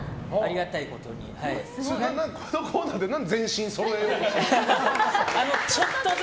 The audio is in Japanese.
このコーナーで何で全身そろえようとしてるの？